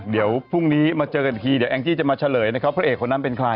เดี๋ยวพรุ่งนี้มาเจอกันอีกทีเดี๋ยวแองจี้จะมาเฉลยนะครับพระเอกคนนั้นเป็นใคร